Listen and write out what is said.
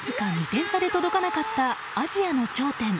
わずか２点差で届かなかったアジアの頂点。